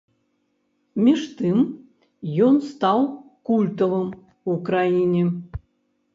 Між тым, ён стаў культавым у краіне.